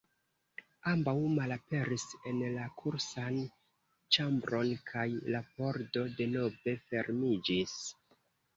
Ambaŭ malaperis en la kursan ĉambron kaj la pordo denove fermiĝis.